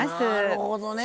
なるほどね！